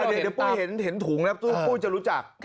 เดี๋ยวพูดจะรู้จัก